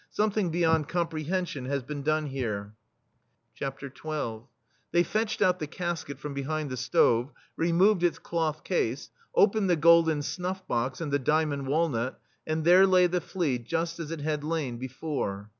Something beyond comprehension has been done here." [51 ] THE STEEL FLEA XII They fetched out the casket from be hind the stove, removed its cloth case, opened the golden snufF box and the diamond walnut, and there lay the flea, just as it had lain before.